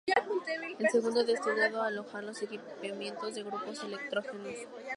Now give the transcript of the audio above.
El segundo destinado a alojar los equipamientos de grupos electrógenos.